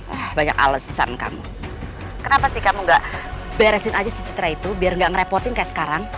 ah banyak alesan kamu kenapa sih kamu gak beresin aja si citra itu biar nggak ngerepotin kayak sekarang